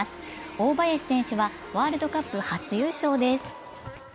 大林選手はワールドカップ初優勝です。